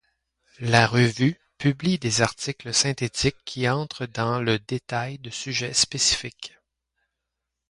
La revue publie des articles synthétiques qui entrent dans le détail de sujets spécifiques.